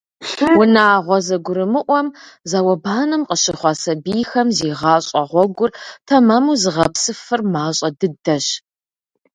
Унагъуэ зэгурымыӏуэм, зауэбанэм къыщыхъуа сабийхэм зи гъащӀэ гъуэгур тэмэму зыгъэпсыфыр мащӏэ дыдэщ.